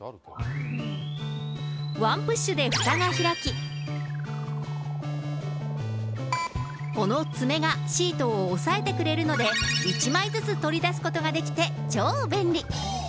ワンプッシュでふたが開き、この爪がシートを押さえてくれるので、１枚ずつ取り出すことができて、超便利。